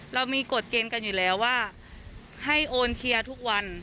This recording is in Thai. เรามีกฎเกณฑ์กันอยู่แล้วว่าให้โอนเคลียร์ทุกวัน